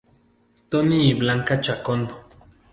Tony y Blanca Chacón.